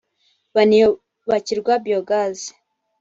banubakirwa Biogaz